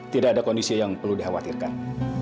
tidak ada kondisi yang perlu dikhawatirkan